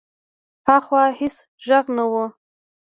هاخوا هېڅ غږ نه و.